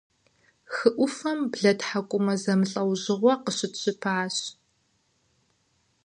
Хы ӏуфэм блэтхьэкӏумэ зэмылӏэужьыгъуэ къыщытщыпащ.